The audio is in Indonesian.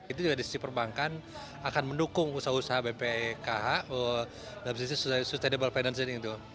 itu juga di sisi perbankan akan mendukung usaha usaha bpkh dalam sisi sustainable financing itu